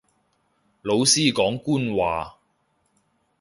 老師講官話